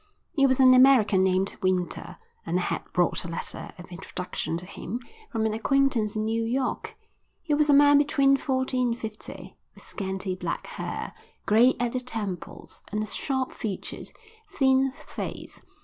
He was an American named Winter and I had brought a letter of introduction to him from an acquaintance in New York. He was a man between forty and fifty, with scanty black hair, grey at the temples, and a sharp featured, thin face.